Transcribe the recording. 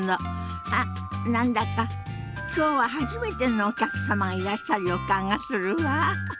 あっ何だか今日は初めてのお客様がいらっしゃる予感がするわ。